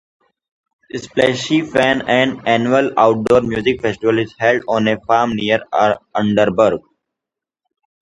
Splashy Fen, an annual outdoor music festival, is held on a farm near Underberg.